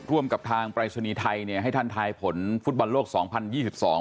ร่วมกับทางปลายชนีไทยให้ท่านทายผลฟุตบอลโลกสองพันยี่สิบสอง